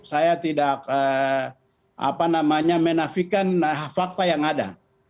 saya tidak menafikan fakta yang ada